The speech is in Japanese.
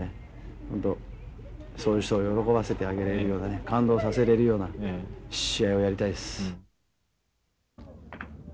本当そういう人を喜ばせてあげられるような感動させられるような試合をやりたいです。